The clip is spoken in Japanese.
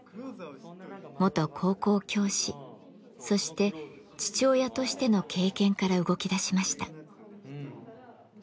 元高校教師そして父親としての経験から動きだしました。